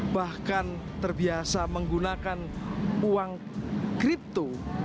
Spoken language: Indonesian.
bahkan terbiasa menggunakan uang kripto